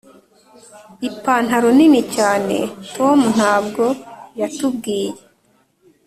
ipantaro nini cyane. tom ntabwo yatubwiye